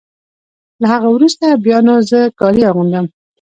له هغه وروسته بیا نو زه کالي اغوندم.